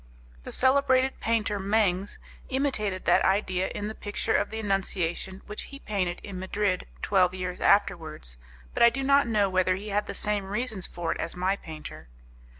The celebrated painter Mengs imitated that idea in the picture of the Annunciation which he painted in Madrid twelve years afterwards, but I do not know whether he had the same reasons for it as my painter.